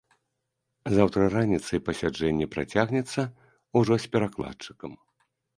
Заўтра раніцай пасяджэнне працягнецца, ужо з перакладчыкам.